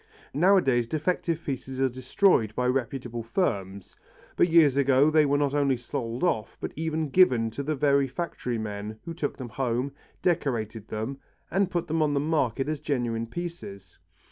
Nowadays defective pieces are destroyed by reputable firms; but years ago they were not only sold off, but even given to the very factory men, who took them home, decorated them and put them on the market as genuine pieces.